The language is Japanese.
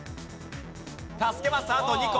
助けマスあと２個。